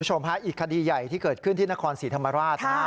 คุณผู้ชมฮะอีกคดีใหญ่ที่เกิดขึ้นที่นครศรีธรรมราชนะฮะ